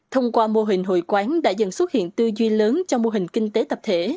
thông qua mô hình hội quán đã dần xuất hiện tư duy lớn trong mô hình kinh tế tập thể